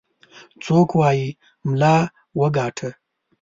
څوك وايي ملا وګاټه.